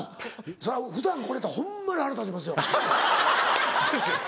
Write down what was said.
そら普段これやったらホンマに腹立ちますよ。ですよね。